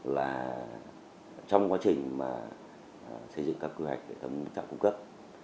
là trong quá trình xây dựng các kế hoạch để tâm trạm cung cấp